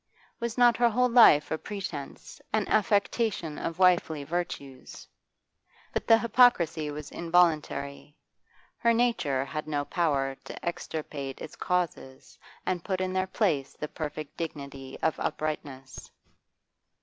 Was not her whole life a pretence, an affectation of wifely virtues? But the hypocrisy was involuntary; her nature had no power to extirpate its causes and put in their place the perfect dignity of uprightness.